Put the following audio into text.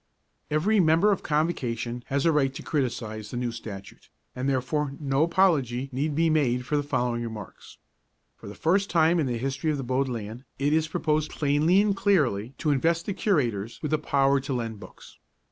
Every Member of Convocation has a right to criticise the New Statute, and therefore no apology need be made for the following remarks. For the first time in the history of the Bodleian it is proposed plainly and clearly to invest the Curators with the power to lend books.